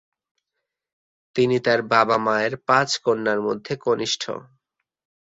তিনি তাঁর বাবা মায়ের পাঁচ কন্যার মধ্যে কনিষ্ঠ।